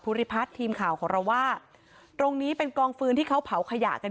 ริพัฒน์ทีมข่าวของเราว่าตรงนี้เป็นกองฟืนที่เขาเผาขยะกัน